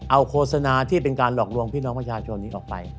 เอาโฆษณาที่เป็นการหลอกลวงพี่น้องประชาชนนี้ออกไป